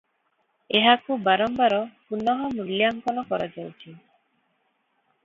ଏହାକୁ ବାରମ୍ବାର ପୁନଃ ମୂଲ୍ୟାଙ୍କନ କରାଯାଉଛି ।